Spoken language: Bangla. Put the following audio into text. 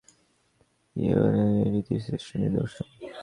কবিতা হেলেনের প্রতি, এনাবেল লি, ইলেওনোরা এই রীতির শ্রেষ্ঠ নিদর্শন।